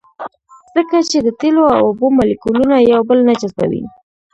ځکه چې د تیلو او اوبو مالیکولونه یو بل نه جذبوي